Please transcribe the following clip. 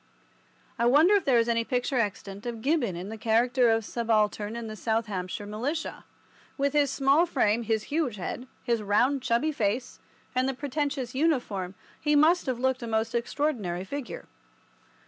I wonder if there is any picture extant of Gibbon in the character of subaltern in the South Hampshire Militia? With his small frame, his huge head, his round, chubby face, and the pretentious uniform, he must have looked a most extraordinary figure.